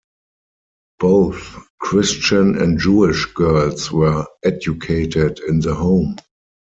Both Christian and Jewish girls were educated in the home.